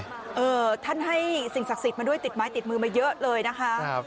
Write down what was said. เออท่านให้สิ่งศักดิ์สิทธิ์มาด้วยติดไม้ติดมือมาเยอะเลยนะคะ